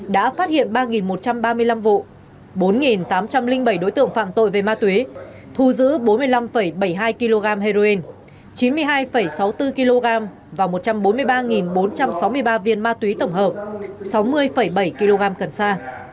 đã phát hiện ba một trăm ba mươi năm vụ bốn tám trăm linh bảy đối tượng phạm tội về ma túy thu giữ bốn mươi năm bảy mươi hai kg heroin chín mươi hai sáu mươi bốn kg và một trăm bốn mươi ba bốn trăm sáu mươi ba viên ma túy tổng hợp sáu mươi bảy kg cần sa